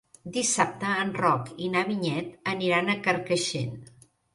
Dissabte en Roc i na Vinyet aniran a Carcaixent.